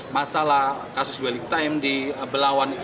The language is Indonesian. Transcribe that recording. masalah kasus welling time di belawan